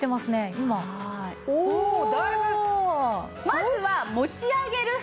まずは。